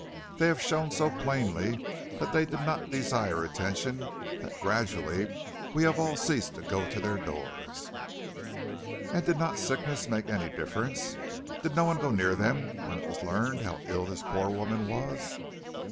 'They have shown so plainly that they did not desire attention that gradually we have all ceased to go to their doors.' "'And did not sickness make any difference? Did no one go near them when it was learned how ill this poor woman was?'